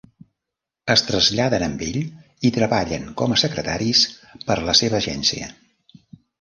Es traslladen amb ell i treballen com a secretaris per a la seva agència.